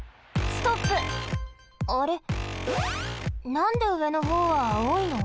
なんでうえのほうはあおいの？